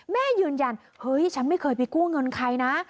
แม่ยืนยันเฮ้ยฉันไม่เคยไปกู้เงินใครนะ